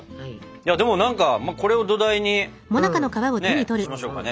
でも何かこれを土台にしましょうかね。